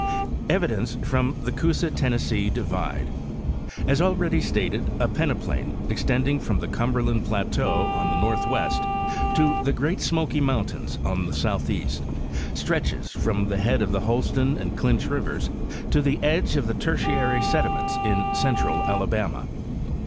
Evidence from the Coosa Tennessee Divide—As already stated, a peneplain, extending from the Cumberland plateau on the north west to the Great Smoky mountains on the southeast, stretches from the head of the Holston and Clinch rivers to the edge of the Tertiary sediments in central Alabama.